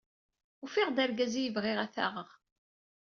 Ufiɣ-d argaz ay bɣiɣ ad t-aɣeɣ.